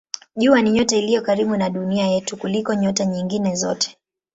Jua ni nyota iliyo karibu na Dunia yetu kuliko nyota nyingine zote.